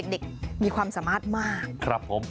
เด็กมีความสามารถมาก